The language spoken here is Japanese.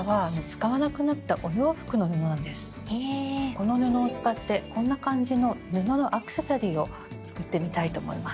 この布を使ってこんな感じの布のアクセサリーを作ってみたいと思います。